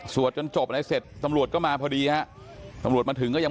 จนจบอะไรเสร็จตำรวจก็มาพอดีฮะตำรวจมาถึงก็ยัง